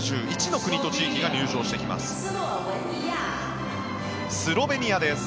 ９１の国と地域が入場してきます。